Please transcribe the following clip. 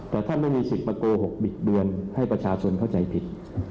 แต่ท่านไม่มีสิทธิ์มาโกหกบิดเบือนให้ประชาชนเข้าใจผิด